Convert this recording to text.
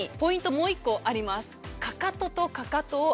もう一個あります。